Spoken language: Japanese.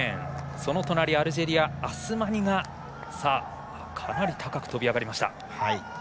その隣アルジェリアのアスマニがかなり高く跳び上がりました。